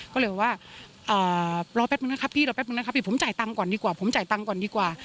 ก็เลยว่ารอแป๊บนึงนะครับพี่รอแป๊บนึงนะครับพี่ผมจ่ายตังค์ก่อนดีกว่าผมจ่ายตังค์ก่อนดีกว่า